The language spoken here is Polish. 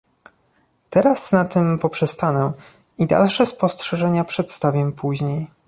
Teraz na tym poprzestanę i dalsze spostrzeżenia przedstawię później